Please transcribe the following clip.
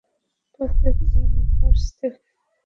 প্রত্যেক ইউনিভার্স থেকে?